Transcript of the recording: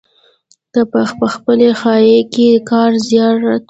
کۀ پۀ پخلي ځائے کښې کار زيات وي